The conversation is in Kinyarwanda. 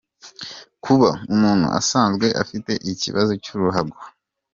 Kuba umuntu asanzwe afite ibibazo by’uruhago.